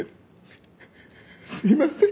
すいません。